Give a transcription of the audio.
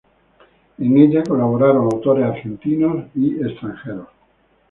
En ella colaboraron autores argentinos y del extranjero.